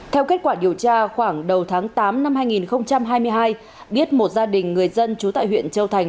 theo kết quả điều tra khoảng đầu tháng tám năm hai nghìn hai mươi hai biết một gia đình người dân trú tại huyện châu thành